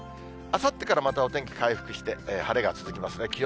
あさってからまたお天気回復して、晴れが続きますね。